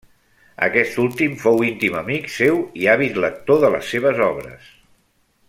Aquest últim fou íntim amic seu i àvid lector de les seves obres.